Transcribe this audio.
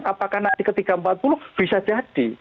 apakah nanti ke tiga ratus empat puluh bisa jadi